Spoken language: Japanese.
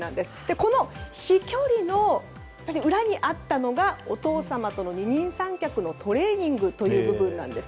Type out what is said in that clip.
この飛距離の裏にあったのがお父様との二人三脚のトレーニングということです。